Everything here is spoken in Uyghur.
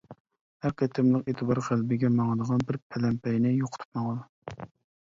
ھەر قېتىملىق ئېتىبار غەلىبىگە ماڭىدىغان بىر پەلەمپەينى يوقىتىپ ماڭىدۇ.